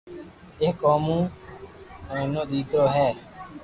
ايڪ او مو نينيو ديڪرو ھي